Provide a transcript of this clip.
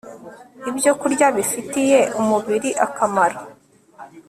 ibyokurya bifitiye umubiri akamaro